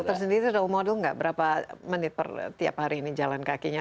dokter sendiri tau modul gak berapa menit per tiap hari ini jalan kakinya